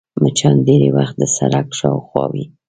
مچان ډېری وخت د سړک شاوخوا وي